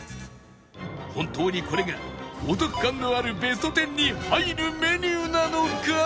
本当にこれがお得感のあるベスト１０に入るメニューなのか？